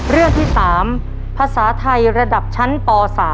เรื่องที่๓ภาษาไทยระดับชั้นป๓